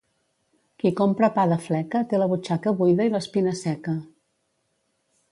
Qui compra pa de fleca té la butxaca buida i l'espina seca.